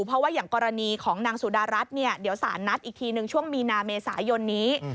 เพราะว่าอย่างกรณีของนางสุดารัฐเนี่ยเดี๋ยวสารนัดอีกทีหนึ่งช่วงมีนาเมษายนนี้